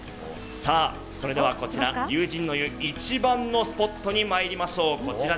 それでは、龍神の湯、一番のスポットに参りましょう。